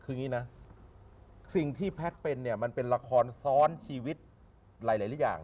คืออย่างนี้นะสิ่งที่แพทย์เป็นเนี่ยมันเป็นละครซ้อนชีวิตหลายอย่าง